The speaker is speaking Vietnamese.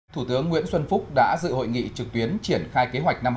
thủ tướng nguyễn xuân phúc đã dự hội nghị trực tuyến triển khai kế hoạch năm hai nghìn hai mươi